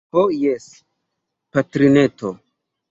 Ho jes, patrineto.